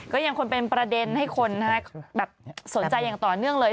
ก็ยังคงเป็นประเด็นให้คนสนใจอย่างต่อเนื่องเลย